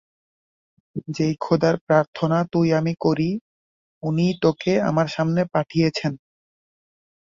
যেই খোদার প্রার্থনা তুই আমি করি, উনিই তোকে আমার সামনে পাঠিয়েছেন।